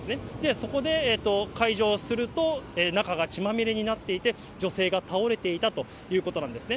そこで開錠すると、中が血まみれになっていて、女性が倒れていたということなんですね。